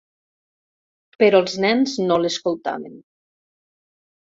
Però els nens no l'escoltaven.